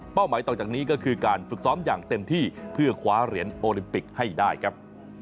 หมายต่อจากนี้ก็คือการฝึกซ้อมอย่างเต็มที่เพื่อคว้าเหรียญโอลิมปิกให้ได้ครับ